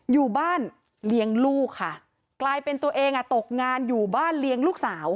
อยู่บ้านเลี้ยงลูกค่ะกลายเป็นตัวเองอ่ะตกงานอยู่บ้านเลี้ยงลูกสาว